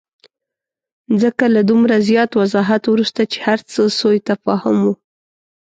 ځکه له دومره زیات وضاحت وروسته چې هرڅه سوءتفاهم وو.